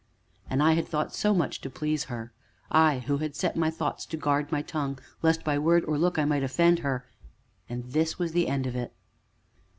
And I had thought so much to please her! I who had set my thoughts to guard my tongue, lest by word or look I might offend her! And this was the end of it!